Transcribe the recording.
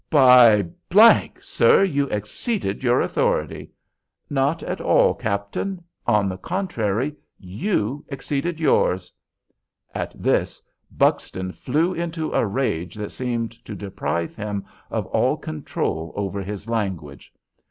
"By ! sir, you exceeded your authority." "Not at all, captain; on the contrary, you exceeded yours." At this Buxton flew into a rage that seemed to deprive him of all control over his language.